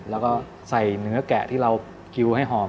แล้วก็ใส่เนื้อแกะที่เรากิวให้หอม